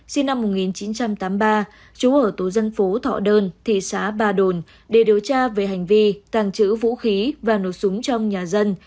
sinh năm một nghìn chín trăm tám mươi ba trú ở tổ dân phố thọ đơn thị xã ba đồn để điều tra về hành vi tàng trữ vũ khí và nổ súng trong nhà dân